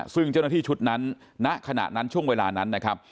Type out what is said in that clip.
ซึ่งเจ้าหน้าที่ชุดนั้นณขณะนั้นช่วงเวลานั้นนะครับ